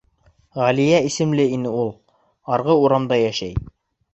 Ғәлиә исемле ине ул. Арғы урамда йәшәй.